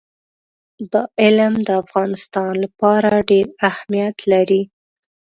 دا علم د افغانستان لپاره ډېر اهمیت لري.